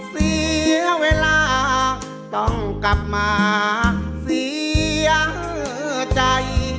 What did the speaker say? เสียเวลาต้องกลับมาเสียใจ